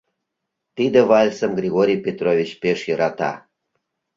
Тиде вальсым Григорий Петрович пеш йӧрата.